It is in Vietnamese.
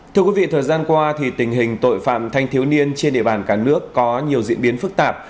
thưa quý vị thời gian qua tình hình tội phạm thanh thiếu niên trên địa bàn cả nước có nhiều diễn biến phức tạp